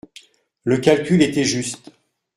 Le calcul était juste.